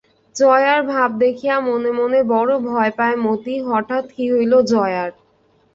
জয়ার ভাব দেখিয়া মনে মনে বড় ভয় পায় মতি, হঠাৎ কী হইল জয়ার?